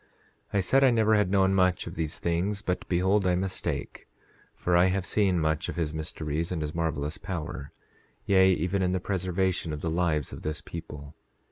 I said I never had known much of these things; but behold, I mistake, for I have seen much of his mysteries and his marvelous power; yea, even in the preservation of the lives of this people.